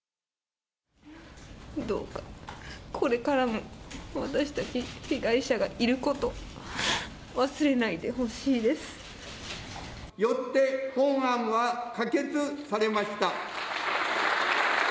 どうかこれからも私たち被害者がいることを忘れないでほしいよって本案は可決されました。